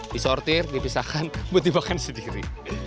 disortir dipisahkan buat dimakan sendiri